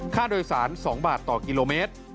ค่าโดยสาร๒บาทต่อกิโลเมตร